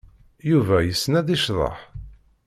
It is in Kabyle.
Yuba yessen ad yecḍeḥ?